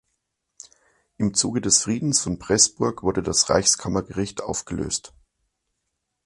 Im Zuge des Friedens von Pressburg wurde das Reichskammergericht aufgelöst.